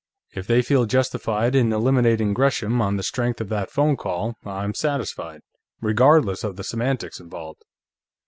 If they feel justified in eliminating Gresham on the strength of that phone call, I'm satisfied, regardless of the semantics involved.